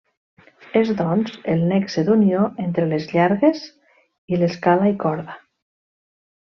És doncs, el nexe d'unió entre les Llargues i l'Escala i corda.